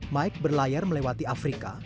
mike berlayar melewati afrika